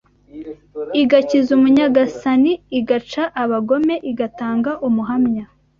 igakiza umunyagasani, igaca abagome, igatanga umuhanya